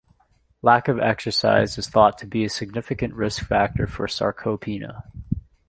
Lack of exercise is thought to be a significant risk factor for sarcopenia.